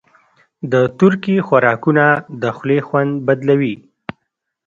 د ترکي خوراکونه د خولې خوند بدلوي.